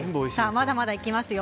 まだまだいきますよ。